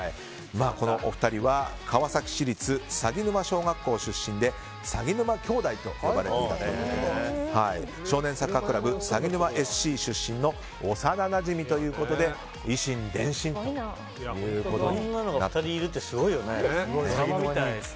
このお二人は川崎市立鷺沼小学校の出身で、鷺沼兄弟と呼ばれていたということで少年サッカークラブさぎぬまＳＣ出身の幼なじみということで以心伝心ということで。